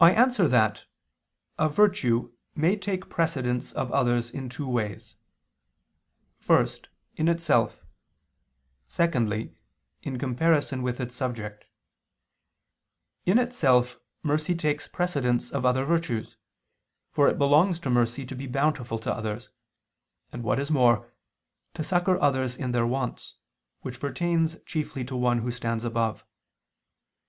I answer that, A virtue may take precedence of others in two ways: first, in itself; secondly, in comparison with its subject. In itself, mercy takes precedence of other virtues, for it belongs to mercy to be bountiful to others, and, what is more, to succor others in their wants, which pertains chiefly to one who stands above.